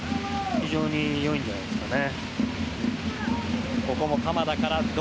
非常にいいんじゃないですかね。